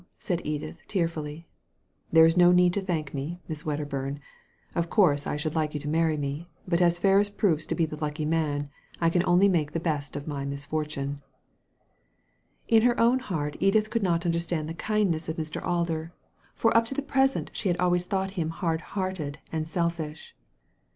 said Edith, tear fully. •* There is no need to thank me, Miss Wedderburn. Of course I should like you to marry me ; but as Ferris proves to be the lucky man, I can only make the best of my misfortune." In her own heart Edith could not understand the kindness of Mr. Alder, for up to the present she Digitized by Google 184 THE LADY FROM NOWHERE had always thought him hard hearted and selfish.